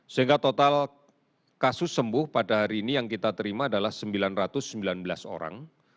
sehingga total kasus sembuh pada hari ini yang kita terima adalah sembilan ratus sembilan belas orang